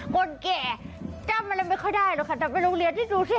คนแก่จำอะไรไม่ค่อยได้หรอกค่ะแต่ไปโรงเรียนที่ดูสิ